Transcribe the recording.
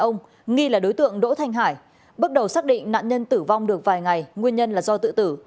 ông nghi là đối tượng đỗ thanh hải bước đầu xác định nạn nhân tử vong được vài ngày nguyên nhân là do tự tử